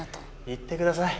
行ってください。